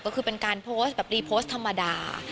ก็คือเป็นการโพสต์แบบรีโพสต์ธรรมดา